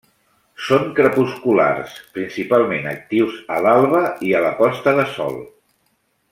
Són crepusculars, principalment actius a l'alba i la posta de sol.